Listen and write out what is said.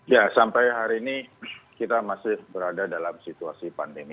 ya sampai hari ini kita masih berada dalam situasi pandemi